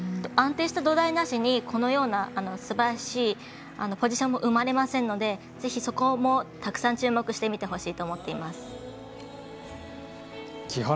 安定した土台なしにこのようなすばらしいポジションも生まれませんのでぜひ、そこもたくさん注目して見てほしいと思っています。